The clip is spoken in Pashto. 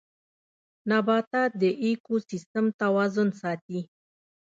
نباتات د ايکوسيستم توازن ساتي